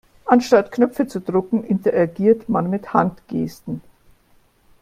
Anstatt Knöpfe zu drücken, interagiert man mit Handgesten.